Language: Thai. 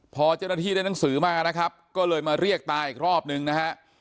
พอเจ้าหน้าที่ได้หนังสือมานะครับก็เลยมาเรียกตาอีกรอบนึงนะฮะ